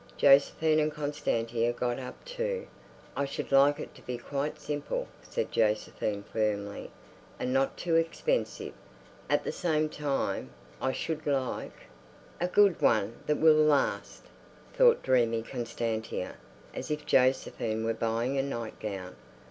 Josephine and Constantia got up too. "I should like it to be quite simple," said Josephine firmly, "and not too expensive. At the same time, I should like—" "A good one that will last," thought dreamy Constantia, as if Josephine were buying a nightgown.